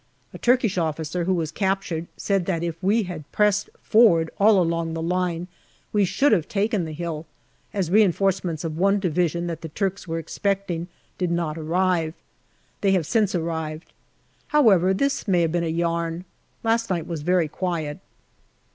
A Turkish officer who was captured said that if we had pressed forward all along the line we should have taken the hill, as reinforcements of one division that the Turks were expecting did not arrive. They have since arrived. However, this may have been a yarn. Last night was very quiet.